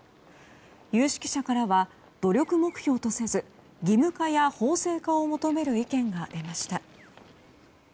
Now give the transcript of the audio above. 有識者からは努力目標とせず義務化や法制化を求める意見が出ました。